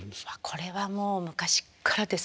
これはもう昔っからですね。